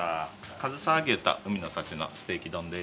かずさ和牛と海の幸のステーキ丼です。